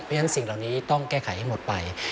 เพราะฉะนั้นสิ่งเหล่านี้ต้องแก้ไขให้หมดไป